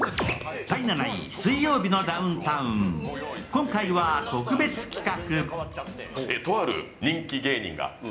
今回は特別企画。